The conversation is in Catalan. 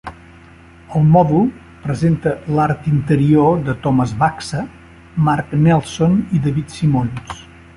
El mòdul presenta l'art interior de Thomas Baxa, Mark Nelson i David Simons.